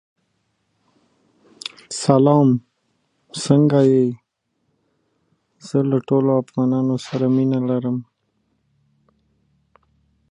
خاوره د افغانستان د ښاري پراختیا سبب کېږي.